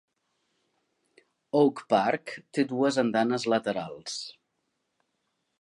Oak Park té dues andanes laterals.